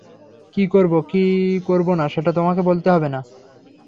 কী করব, কী করব না সেটা তোমাকে বলতে হবে না।